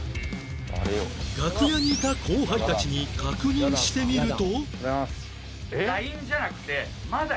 楽屋にいた後輩たちに確認してみると